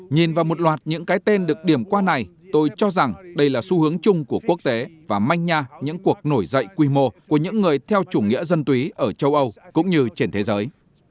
nhìn vào một loạt những cái tên được điểm qua này tôi cho rằng đây là xu hướng chung của quốc tế và manh nha những cuộc nổi dậy quy mô của những người theo chủ nghĩa dân túy ở châu âu cũng như trên thế giới